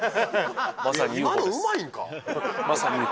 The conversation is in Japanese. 今のうまいんか？